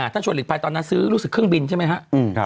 ชวนหลีกภัยตอนนั้นซื้อรู้สึกเครื่องบินใช่ไหมครับ